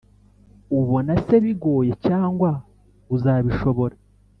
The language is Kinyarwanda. ubona se bigoye cyangwa uzabishobora